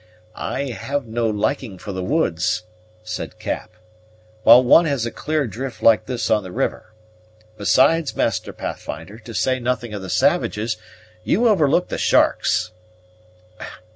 "I have no liking for the woods," said Cap, "while one has a clear drift like this on the river. Besides, Master Pathfinder, to say nothing of the savages, you overlook the sharks."